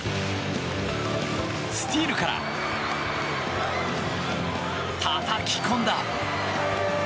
スチールからたたき込んだ！